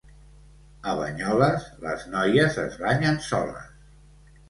A Banyoles les noies es banyen soles.